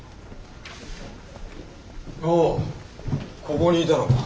おうここにいたのか。